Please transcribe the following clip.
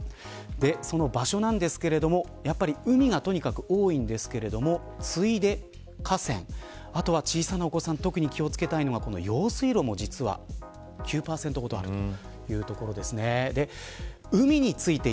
その場所なんですがとにかく海が多いんですが次いで河川あとは小さなお子さんが特に気を付けたいのが用水路も実は９％ほどあります。